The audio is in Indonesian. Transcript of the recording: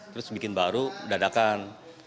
terus bikin baru dadakan